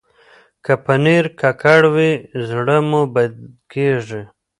که پنېر ککړ وي، زړه مو بد کېږي.